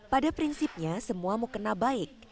pada prinsipnya semua mukena baik